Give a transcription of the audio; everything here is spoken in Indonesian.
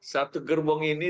satu gerbong ini